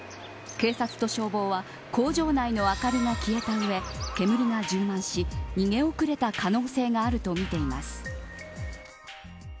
警察と消防は工場内の明かりが消えた上煙が充満し逃げ遅れた可能性があるとみています。